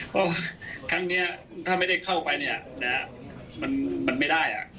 เพราะครั้งเนี่ยถ้าไม่ได้เข้าไปเนี่ยมันไม่ได้อ่ะ